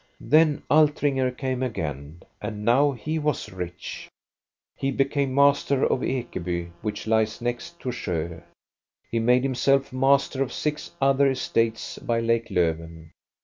" Then Altringer came again, and now he was rich. He became master of Ekeby, which lies next to Sjo ; he made himself master of six other estates by Lake Lofven.